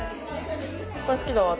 これ好きだわ私。